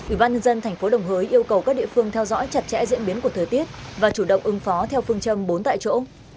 ủy ban nhân dân tp đồng hới yêu cầu các địa phương theo dõi chặt chẽ diễn biến của thời tiết và chủ động ứng phó theo phương châm bốn tại chỗ